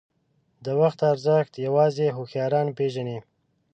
• د وخت ارزښت یوازې هوښیاران پېژني.